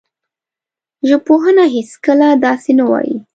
ژبپوهنه هېڅکله داسې نه وايي